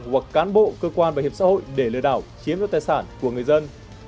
hoặc cán bộ cơ quan bảo hiểm xã hội để lừa đảo chiếm đoạt tài sản của người dân